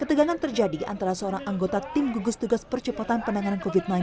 ketegangan terjadi antara seorang anggota tim gugus tugas percepatan penanganan covid sembilan belas